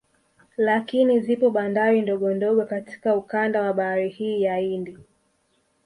Lakini zipo bandari ndogo ndogo katika ukanda wa bahari hii ya Hindi